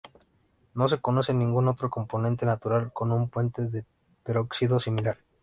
No se conoce ningún otro componente natural con un puente de peróxido similar.